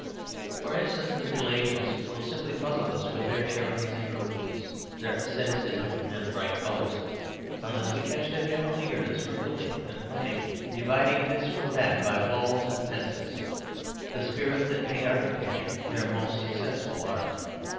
For instance, the Middle Ages will simply puzzle us with their charities and cruelties, their asceticism and bright colours, unless we catch their general eagerness for building and planning, dividing this from that by walls and fences the spirit that made architecture their most successful art.